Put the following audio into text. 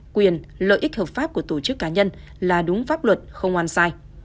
quyền lợi ích hợp pháp của tổ chức cá nhân là đúng pháp luật không oan sai